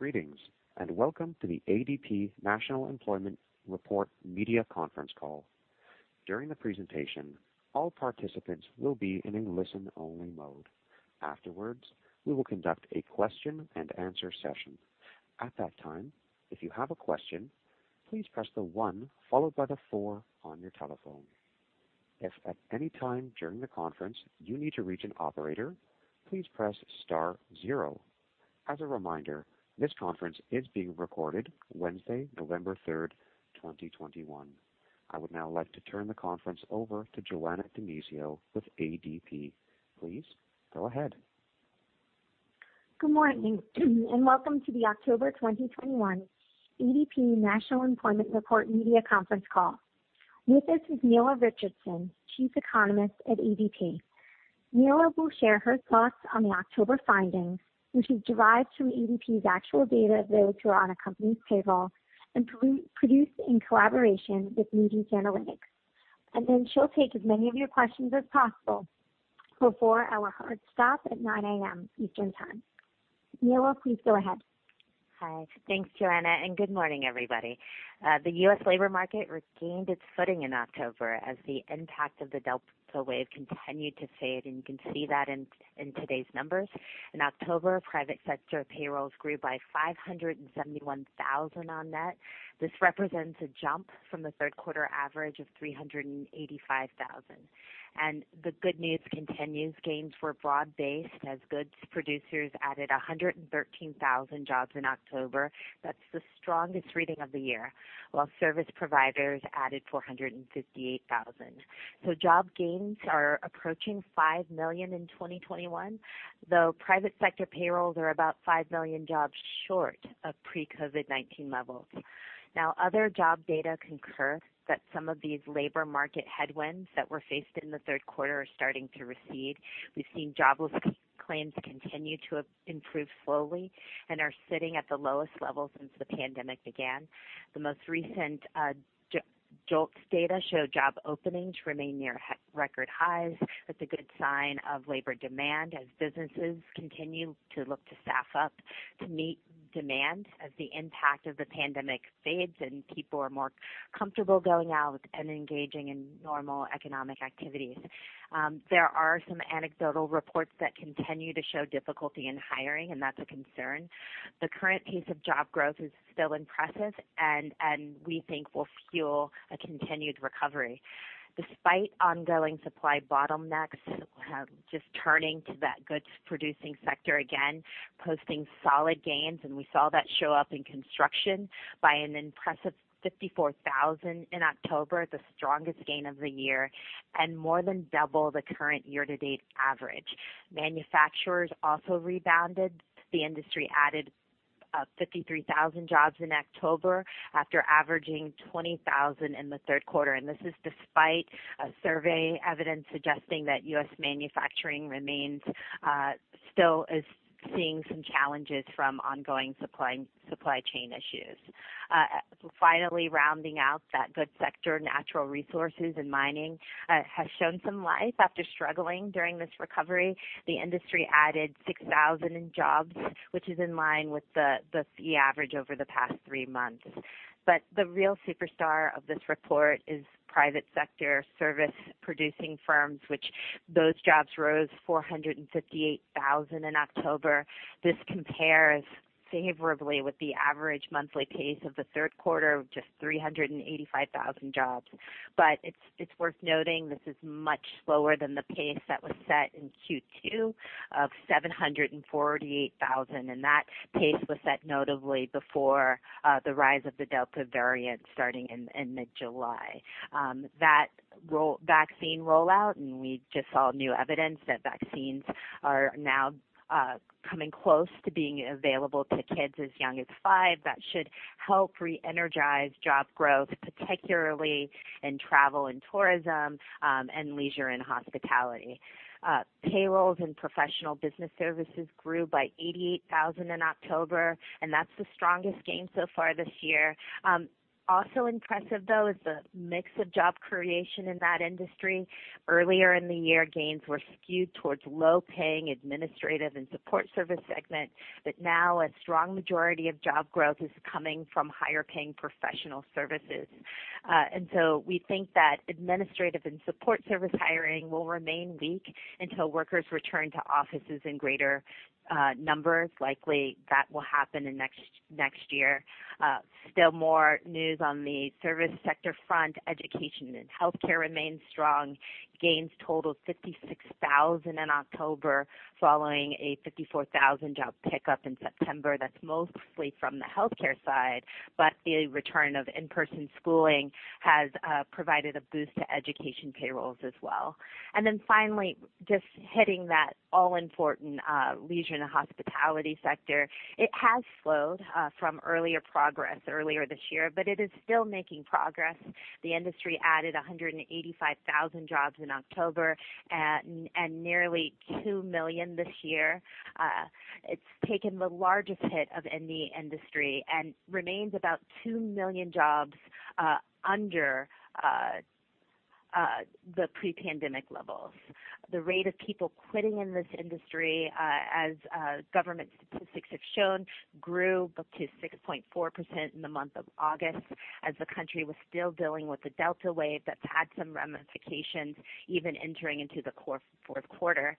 Greetings, welcome to the ADP National Employment Report Media Conference Call. During the presentation, all participants will be in a listen-only mode. Afterwards, we will conduct a question-and-answer session. At that time, if you have a question, please press the one followed by the four on your telephone. If at any time during the conference you need to reach an operator, please press star zero. As a reminder, this conference is being recorded Wednesday, November 3, 2021. I would now like to turn the conference over to Joanna DiNizio with ADP. Please go ahead. Good morning, and welcome to the October 2021 ADP National Employment Report Media Conference Call. With us is Nela Richardson, Chief Economist at ADP. Nela will share her thoughts on the October findings, which is derived from ADP's actual data of those who are on a company's payroll and produced in collaboration with Moody's Analytics. She'll take as many of your questions as possible before our hard stop at 9 A.M. Eastern Time. Nela, please go ahead. Hi. Thanks, Joanna, and good morning, everybody. The U.S. labor market regained its footing in October as the impact of the Delta wave continued to fade, and you can see that in today's numbers. In October, private sector payrolls grew by 571,000 on net. This represents a jump from the third quarter average of 385,000. The good news continues. Gains were broad-based as goods producers added 113,000 jobs in October. That's the strongest reading of the year, while service providers added 458,000. Job gains are approaching 5 million in 2021, though private sector payrolls are about 5 million jobs short of pre-COVID-19 levels. Now, other job data concur that some of these labor market headwinds that were faced in the third quarter are starting to recede. We've seen jobless claims continue to have improved slowly and are sitting at the lowest level since the pandemic began. The most recent JOLTS data show job openings remain near record highs. That's a good sign of labor demand as businesses continue to look to staff up to meet demand as the impact of the pandemic fades and people are more comfortable going out and engaging in normal economic activities. There are some anecdotal reports that continue to show difficulty in hiring, and that's a concern. The current pace of job growth is still impressive, and we think will fuel a continued recovery. Despite ongoing supply bottlenecks, just turning to that goods-producing sector again, posting solid gains, and we saw that show up in construction by an impressive 54,000 in October, the strongest gain of the year and more than double the current year-to-date average. Manufacturers also rebounded. The industry added 53,000 jobs in October after averaging 20,000 in the third quarter. This is despite survey evidence suggesting that U.S. manufacturing remains still is seeing some challenges from ongoing supply chain issues. Finally, rounding out that goods sector, natural resources and mining has shown some life after struggling during this recovery. The industry added 6,000 jobs, which is in line with the average over the past three months. The real superstar of this report is private sector service-producing firms, where those jobs rose 458,000 in October. This compares favorably with the average monthly pace of the third quarter of just 385,000 jobs. It's worth noting this is much slower than the pace that was set in Q2 of 748,000, and that pace was set notably before the rise of the Delta variant starting in mid-July and the slow vaccine rollout. We just saw new evidence that vaccines are now coming close to being available to kids as young as five. That should help reenergize job growth, particularly in travel and tourism, and Leisure and Hospitality. Professional and Business Services grew by 88,000 in October, and that's the strongest gain so far this year. Also impressive, though, is the mix of job creation in that industry. Earlier in the year, gains were skewed towards low-paying Administrative and Support Services segment, but now a strong majority of job growth is coming from higher-paying professional services. We think that administrative and support service hiring will remain weak until workers return to offices in greater numbers. Likely that will happen next year. Still more news on the service sector front. Education and healthcare remain strong. Gains totaled 56,000 in October following a 54,000-job pickup in September. That's mostly from the healthcare side, but the return of in-person schooling has provided a boost to education payrolls as well. Finally, just hitting that all-important leisure and hospitality sector. It has slowed from earlier progress this year, but it is still making progress. The industry added 185,000 jobs in October and nearly 2 million this year. It's taken the largest hit of any industry and remains about 2 million jobs under the pre-pandemic levels. The rate of people quitting in this industry, as government statistics have shown, grew up to 6.4% in the month of August as the country was still dealing with the Delta wave. That's had some ramifications, even entering into the fourth quarter,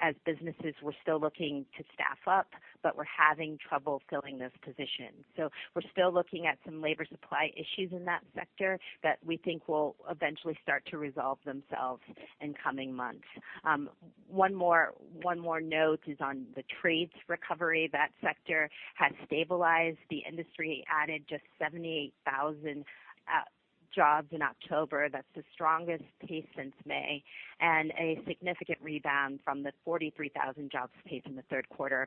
as businesses were still looking to staff up but were having trouble filling those positions. We're still looking at some labor supply issues in that sector that we think will eventually start to resolve themselves in coming months. One more note is on the trade recovery. That sector has stabilized. The industry added just 78,000 jobs in October. That's the strongest pace since May and a significant rebound from the 43,000 jobs pace in the third quarter.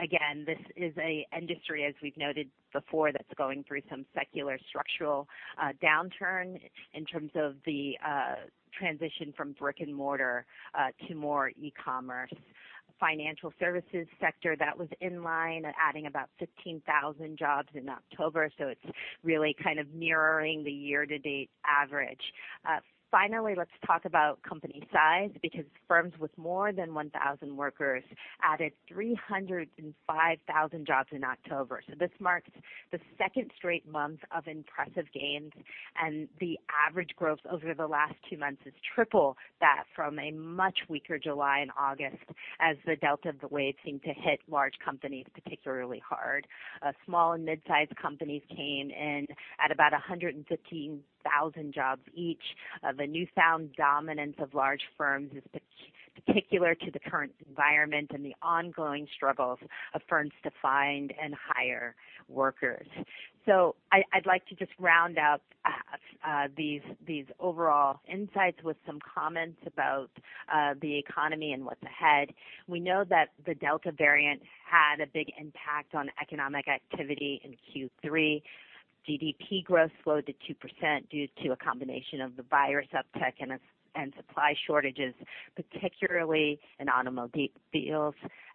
Again, this is an industry, as we've noted before, that's going through some secular structural downturn in terms of the transition from brick and mortar to more e-commerce. Financial services sector, that was in line, adding about 15,000 jobs in October, so it's really kind of mirroring the year-to-date average. Finally, let's talk about company size, because firms with more than 1,000 workers added 305,000 jobs in October. This marks the second straight month of impressive gains, and the average growth over the last two months is triple that from a much weaker July and August as the Delta wave seemed to hit large companies particularly hard. Small and mid-sized companies came in at about 115,000 jobs each. The newfound dominance of large firms is particular to the current environment and the ongoing struggles of firms to find and hire workers. I'd like to just round out these overall insights with some comments about the economy and what's ahead. We know that the Delta variant had a big impact on economic activity in Q3. GDP growth slowed to 2% due to a combination of the virus uptick and supply shortages, particularly in automobiles.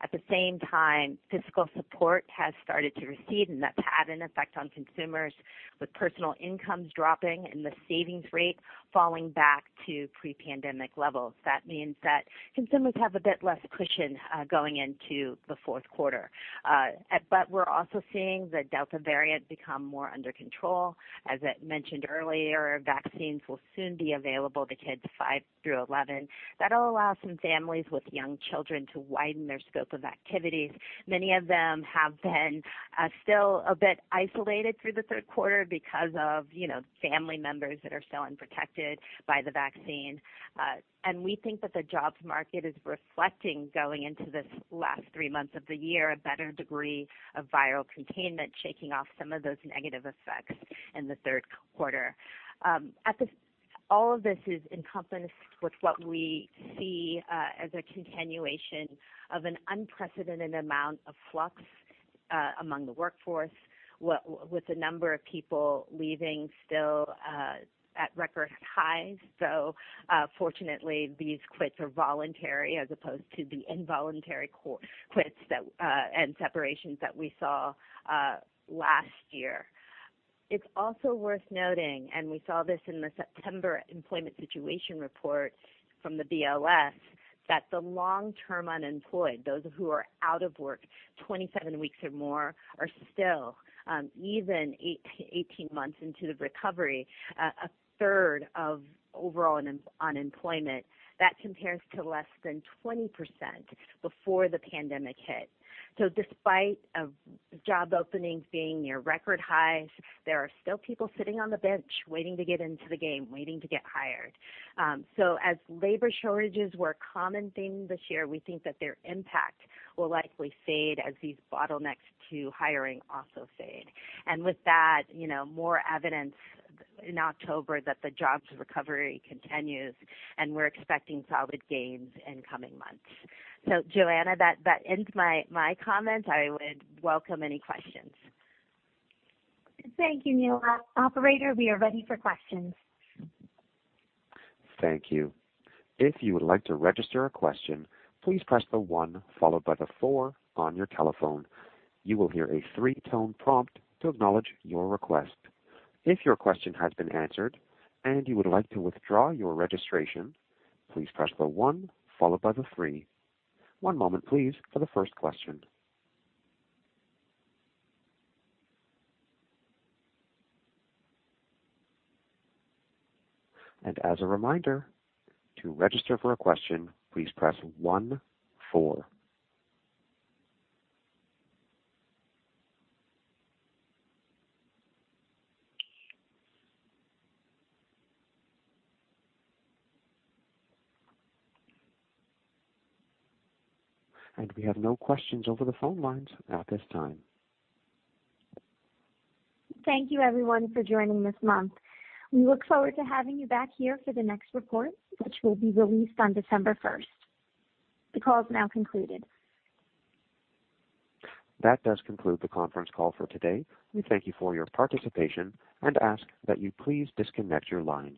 At the same time, fiscal support has started to recede, and that's had an effect on consumers, with personal incomes dropping and the savings rate falling back to pre-pandemic levels. That means that consumers have a bit less cushion going into the fourth quarter. We're also seeing the Delta variant become more under control. As I mentioned earlier, vaccines will soon be available to kids five through eleven. That'll allow some families with young children to widen their scope of activities. Many of them have been still a bit isolated through the third quarter because of, you know, family members that are still unprotected by the vaccine. We think that the jobs market is reflecting going into this last three months of the year, a better degree of viral containment, shaking off some of those negative effects in the third quarter. All of this is encompassed with what we see as a continuation of an unprecedented amount of flux among the workforce with the number of people leaving still at record highs. Fortunately, these quits are voluntary as opposed to the involuntary quits and separations that we saw last year. It's also worth noting, and we saw this in the September employment situation report from the BLS, that the long-term unemployed, those who are out of work 27 weeks or more, are still, even 18 months into the recovery, a third of overall unemployment. That compares to less than 20% before the pandemic hit. Despite job openings being near record highs, there are still people sitting on the bench waiting to get into the game, waiting to get hired. As labor shortages were a common theme this year, we think that their impact will likely fade as these bottlenecks to hiring also fade. With that, you know, more evidence in October that the jobs recovery continues, and we're expecting solid gains in coming months. Joanna, that ends my comments. I would welcome any questions. Thank you, Nela. Operator, we are ready for questions. Thank you. If you would like to register a question, please press one followed by four on your telephone. You will hear a three-tone prompt to acknowledge your request. If your question has been answered and you would like to withdraw your registration, please press one followed by three. One moment please for the first question. As a reminder, to register for a question, please press one to four. We have no questions over the phone lines at this time. Thank you everyone for joining this month. We look forward to having you back here for the next report, which will be released on December 1. The call is now concluded. That does conclude the conference call for today. We thank you for your participation and ask that you please disconnect your lines.